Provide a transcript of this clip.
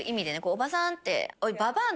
おばさんって。